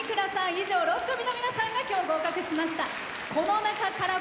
以上、６組の皆さんが今日、合格しました。